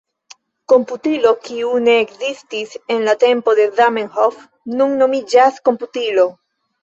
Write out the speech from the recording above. Komputilo, kiu ne ekzistis en la tempo de Zamenhof, nun nomiĝas komputilo.